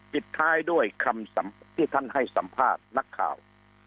ปิดท้ายด้วยคำที่ท่านให้สัมภาษณ์นักข่าว